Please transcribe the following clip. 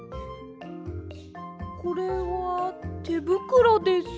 これはてぶくろです。